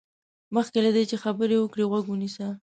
مخکې له دې چې خبرې وکړې، غوږ ونيسه.